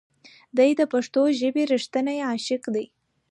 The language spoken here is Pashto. دی د پښتو ژبې رښتینی عاشق دی.